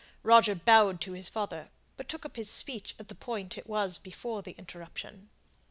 Roger bowed to his father, but took up his speech at the point it was at before the interruption.